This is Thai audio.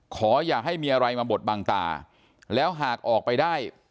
อย่าให้มีอะไรมาบดบังตาแล้วหากออกไปได้